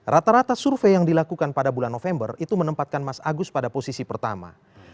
rata rata survei yang dilakukan pada bulan november itu menempatkan mas agus pada posisi pertama